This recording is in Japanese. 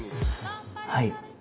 はい。